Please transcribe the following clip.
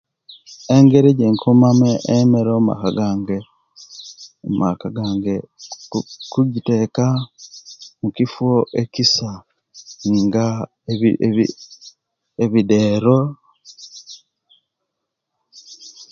Engeri ejenkumamu emere omaka gange omaka gange kujitereka mukifo ekisa nga ebidero